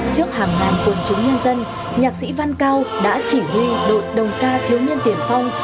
trước hàng ngàn quần chúng nhân dân nhạc sĩ văn cao đã chỉ huy đội đồng ca thiếu nhân tiền phong